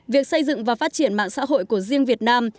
việc xây dựng và phát triển mạng xã hội của riêng việt nam